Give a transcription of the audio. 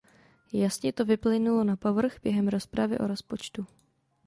Jasně to vyplynulo na povrch během rozpravy o rozpočtu.